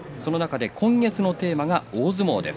今月のテーマは大相撲です。